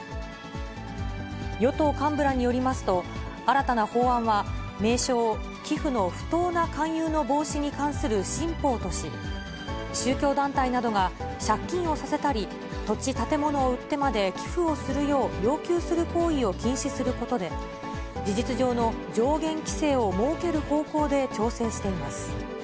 与党幹部らによりますと、新たな法案は、名称を、寄付の不当な勧誘の防止に関する新法とし、宗教団体などが、借金をさせたり、土地、建物を売ってまで寄付をするよう要求する行為を禁止することで、事実上の上限規制を設ける方向で調整しています。